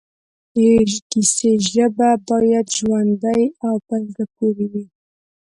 د کیسې ژبه باید ژوندۍ او پر زړه پورې وي